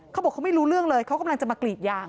เขาบอกเขาไม่รู้เรื่องเลยเขากำลังจะมากรีดยาง